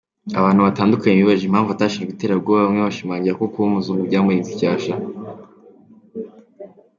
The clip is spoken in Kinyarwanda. Abantu batandukanye bibajije impamvu atashinjwe iterabwoba, bamwe bashimangira ko kuba ari umuzungu byamurinze icyasha.